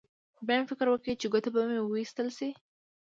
بیا مې فکر وکړ چې ګوته به مې وویشتل شي